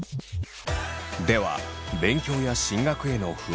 では勉強や進学への不安